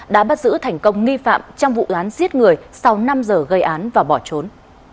đã bắt giữ thành công nghi phạm trong vụ án giết người sau năm giờ gây án và bỏ trốn